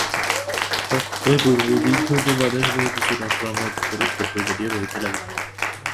প্রথমে পূর্ব দিক হইতে বাতাস বহিতেছিল, ক্রমে উত্তর এবং উত্তরপূর্ব দিয়া বহিতে লাগিল।